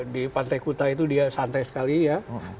di pantai kuta itu dia santai sekali ya